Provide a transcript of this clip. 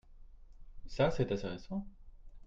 Ça c'est assez récent.